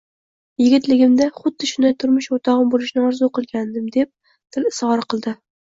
Yigitligimda xuddi shunday turmush oʻrtogʻim boʻlishini orzu qilgandim, deb dil izhori qildi